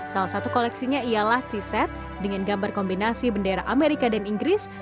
salah satu koleksinya ialah t set dengan gambar kombinasi bendera amerika dan inggris